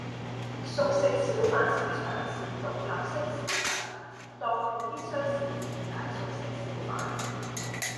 熟食小販市場是獨立式市場，檔戶必須是持牌熟食小販